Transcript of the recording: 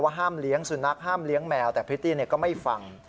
ห้ามเลี้ยงสุนัขห้ามเลี้ยงแมวแต่พริตตี้ก็ไม่ฟัง